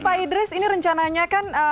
pak idris ini rencananya kan